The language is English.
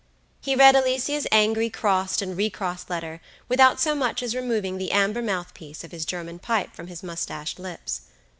He read Alicia's angry crossed and recrossed letter without so much as removing the amber mouth piece of his German pipe from his mustached lips.